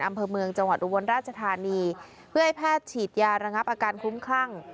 อำเภอเมืองจังหวัดอุบลราชธานีเพื่อให้แพทย์ฉีดยาระงับอาการคุ้มคลั่ง